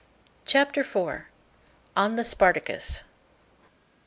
CHAPTER IV. ON THE "SPARTACUS."